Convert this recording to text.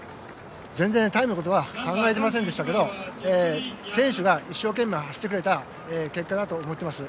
全然、タイムのことは考えてませんでしたけど選手が一生懸命走ってくれた結果だと思っています。